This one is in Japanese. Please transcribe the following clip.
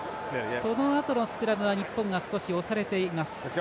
そのあとのスクラムは日本が少し押されています。